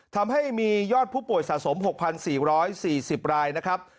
ทำให้มียอดผู้ป่วยสะสม๖๔๔๐รายนะครับ